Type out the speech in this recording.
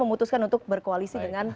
memutuskan untuk berkoalisi dengan